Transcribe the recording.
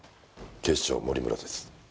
警視庁森村です。